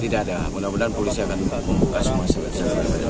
tidak ada mudah mudahan polisi akan mengungkaskan